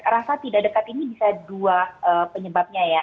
rasa tidak dekat ini bisa dua penyebabnya ya